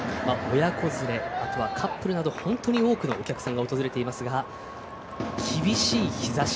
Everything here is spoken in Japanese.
親子連れ、あとはカップルなど本当に多くのお客さんが訪れていますが厳しい日ざし。